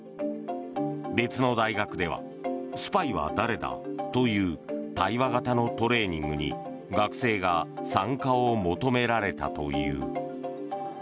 別の大学ではスパイは誰だという対話型のトレーニングに学生が参加を求められたという。